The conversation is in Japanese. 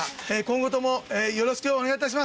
今後ともよろしくお願いいたします。